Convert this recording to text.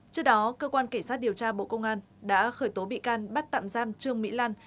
trước đó cơ quan kể sát điều tra bộ công an đã khởi tố bị can bắt tạm giam trương mỹ lan